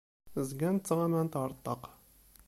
Zgant ttɣamant ar ṭṭaq.